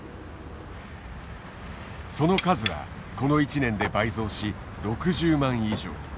その数はこの一年で倍増し６０万以上。